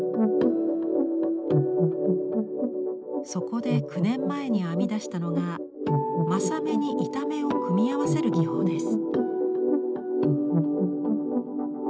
そこで９年前に編み出したのが柾目に板目を組み合わせる技法です。